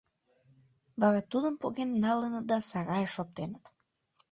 Вара тудым поген налыныт да сарайыш оптеныт.